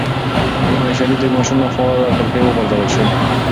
قرانشریف د ماشوم له خوا له کړکۍ وغورځول شو.